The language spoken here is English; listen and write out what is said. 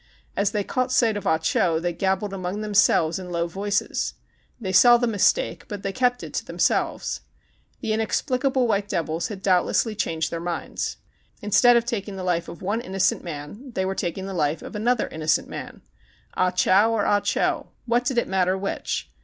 As they caught sight of Ah Cho they gabbled among themselves in low voices. They saw the mistake; but they kept it to themselves. The inexplicable white devils had doubtlessly changed their minds. Instead of taking the life of one innocent man, they were taking the life of another innocent man. Ah Chow or Ah Cho ã what did it matter which